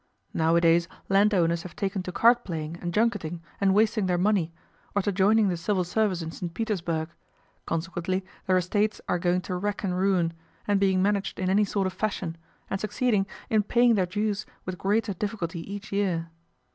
Nowadays landowners have taken to card playing and junketting and wasting their money, or to joining the Civil Service in St. Petersburg; consequently their estates are going to rack and ruin, and being managed in any sort of fashion, and succeeding in paying their dues with greater difficulty each year.